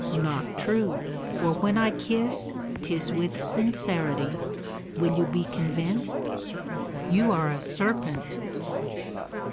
"Not true, for when I kiss 'tis with sincerity, will you be convinced?" "You are a serpent!"